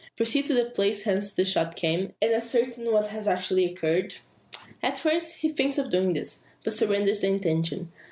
Proceed to the place whence the shots came, and ascertain what has actually occurred? At first he thinks of doing this; but surrenders the intention.